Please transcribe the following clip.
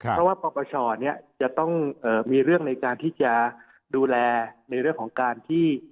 เพราะว่าปปชจะต้องมีเรื่องในการที่จะดูแลในเรื่องของการที่